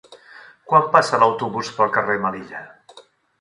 Quan passa l'autobús pel carrer Melilla?